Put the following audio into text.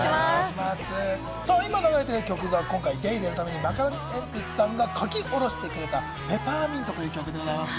今流れてる曲が今回『ＤａｙＤａｙ．』のためにマカロニえんぴつさんが描き下ろしてくれた『ペパーミント』という曲でございます。